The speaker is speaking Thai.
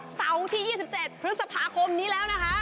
เสาร์ที่๒๗พฤษภาคมนี้แล้วนะคะ